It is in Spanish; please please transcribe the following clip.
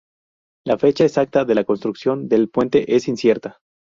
La fecha exacta de la construcción del puente es incierta.